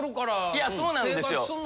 いやそうなんですよ。